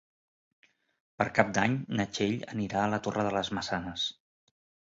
Per Cap d'Any na Txell anirà a la Torre de les Maçanes.